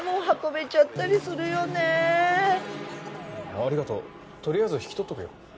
ありがとう取りあえず引き取っとくよ。